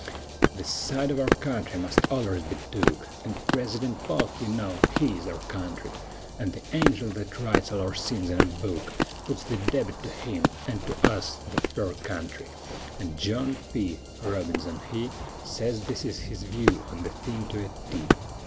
The side of our country must ollers be took, An' Presidunt Polk, you know, he is our country. An' the angel thet writes all our sins in a book Puts the debit to him, an' to us the per contry; An' John P. Robinson he Sez this is his view o' the thing to a T.